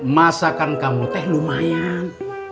masakan kamu teh lumayan